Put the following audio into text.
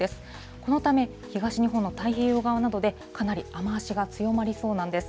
このため、東日本の太平洋側などでかなり雨足が強まりそうなんです。